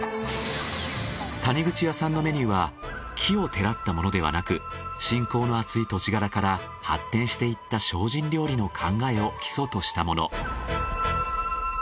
谷口屋さんのメニューは奇をてらったものではなく信仰のあつい土地柄から発展していった精進料理の考えを基礎としたもの。